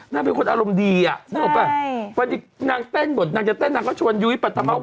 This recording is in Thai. นางเป็นคนอารมณ์ดีอ่ะใช่นางเต้นหมดนางจะเต้นนางก็ชวนอยู่ที่ปัจจัมหาวัน